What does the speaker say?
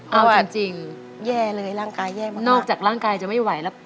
เอาจริงแย่เลยร่างกายแย่มากนอกจากร่างกายจะไม่ไหวแล้ว